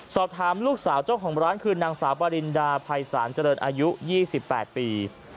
สอบถามลูกสาวเจ้าของร้านคือนางสาวปรินดาภัยศาลเจริญอายุ๒๘ปี